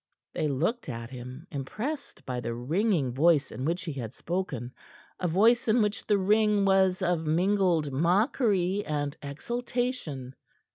They looked at him, impressed by the ringing voice in which he had spoken a voice in which the ring was of mingled mockery and exultation.